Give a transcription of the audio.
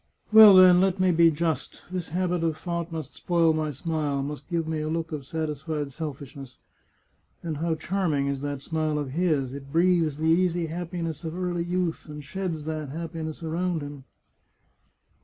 ... Well, then, let me be just. This habit of thought must spoil my smile — must give me a look of satisfied selfishness. ... And how charming is 148 The Chartreuse of Parma that smile of his! It breathes the easy happiness of early youth, and sheds that happiness around him."